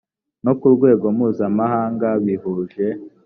no ku rwego mpuzamahanga bihuje